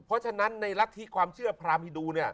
เพราะฉะนั้นในรัฐธิความเชื่อพรามฮิดู